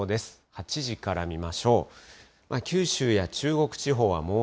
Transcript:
８時から見ましょう。